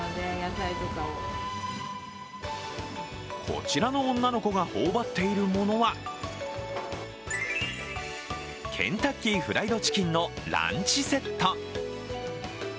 こちらの女の子がほおばっているものは、ケンタッキーフライドチキンのランチセット。